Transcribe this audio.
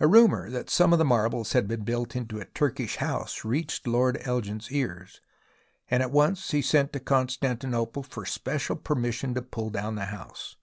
A rumour that some marbles had been built into a Turkish house reached Lord Elgin's ears, and at once he sent to Constantinople for special per mission to pull down the house.